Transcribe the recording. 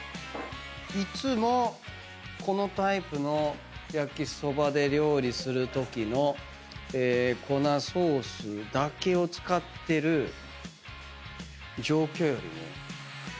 いつもこのタイプの焼きそばで料理するときの粉ソースだけを使ってる状況よりも。